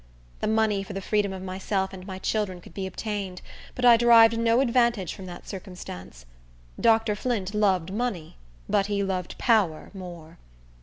The money for the freedom of myself and my children could be obtained; but I derived no advantage from that circumstance. Dr. Flint loved money, but he loved power more.